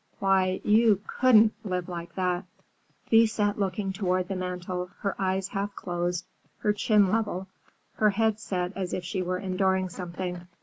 Why, you couldn't live like that." Thea sat looking toward the mantel, her eyes half closed, her chin level, her head set as if she were enduring something.